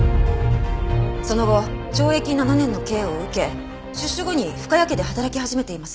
その後懲役７年の刑を受け出所後に深谷家で働き始めています。